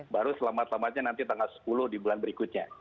baru selamat selamatnya nanti tanggal sepuluh di bulan berikutnya